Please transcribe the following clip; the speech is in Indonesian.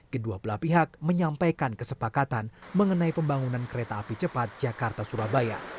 kedua belah pihak menyampaikan kesepakatan mengenai pembangunan kereta api cepat jakarta surabaya